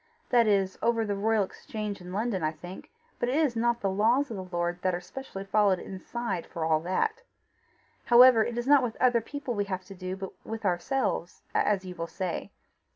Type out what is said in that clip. That is over the Royal Exchange in London, I think; but it is not the laws of the Lord that are specially followed inside for all that. However, it is not with other people we have to do, but with ourselves as you will say.